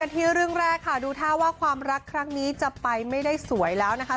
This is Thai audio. ที่เรื่องแรกค่ะดูท่าว่าความรักครั้งนี้จะไปไม่ได้สวยแล้วนะคะ